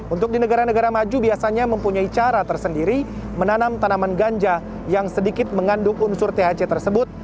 untuk di negara negara maju biasanya mempunyai cara tersendiri menanam tanaman ganja yang sedikit mengandung unsur thc tersebut